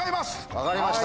分かりました。